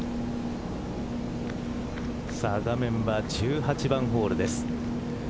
画面は１８番ホールです。